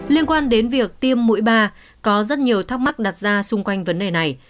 liên quan đến việc tiêm mũi ba có rất nhiều thắc mắc đặt ra xung quanh vấn đề này